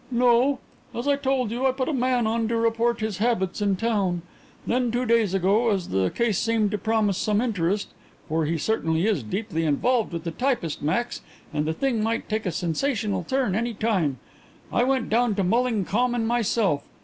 "No. As I told you, I put a man on to report his habits in town. Then, two days ago, as the case seemed to promise some interest for he certainly is deeply involved with the typist, Max, and the thing might take a sensational turn any time I went down to Mulling Common myself.